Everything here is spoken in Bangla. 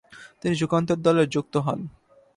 তিনি যুগান্তর দলের যুক্ত হন।